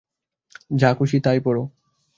যা খুশি তাই পরো।